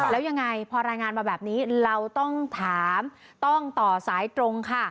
แล้วยังไงพอรายงานมาแบบนี้เราต้องถามต้องต่อสายตรงค่ะ